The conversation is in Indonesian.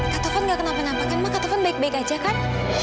kata tuhan tidak kenapa napakan ma kata tuhan baik baik saja kan